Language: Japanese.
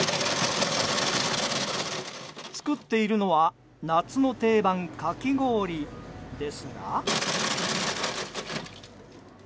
作っているのは夏の定番かき氷ですが。